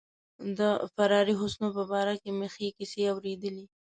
د فراري حسنو په باره کې مې ښې کیسې اوریدلي.